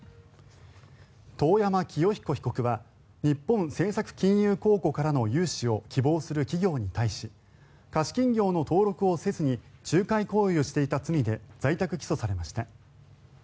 遠山清彦被告は日本政策金融公庫からの融資を希望する企業に対し貸金業の登録をせずに仲介行為をしていた罪で在宅起訴されました。